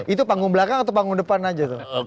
itu panggung belakang atau panggung depan aja tuh